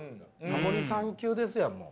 タモリさん級ですやんもう。